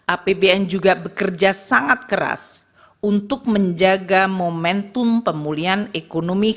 apbn juga bekerja sangat keras untuk menjaga momentum pemulihan ekonomi